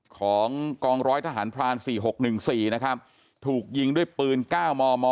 ของกองร้อยทหารพรานสี่หกหนึ่งสี่นะครับถูกยิงด้วยปืนก้าวมอมอ